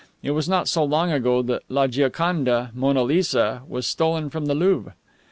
It was not so long ago that La Gioconda Mona Lisa was stolen from the Louvre.